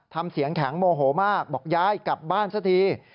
ทำเสียงแข็งโมโหมากบอกยายกลับบ้านซะที